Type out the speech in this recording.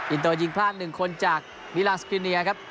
อินเตอร์ยิงพลาด๑คนจากวิลานสกรีเนียครับ